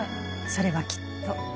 それはきっと。